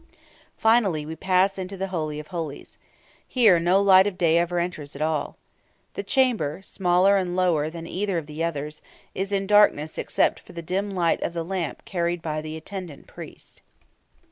Finally we pass into the Holy of Holies. Here no light of day ever enters at all. The chamber, smaller and lower than either of the others, is in darkness except for the dim light of the lamp carried by the attendant priest.